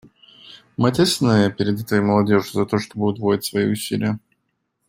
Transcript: Мы ответственны перед этой молодежью за то, чтобы удвоить свои усилия.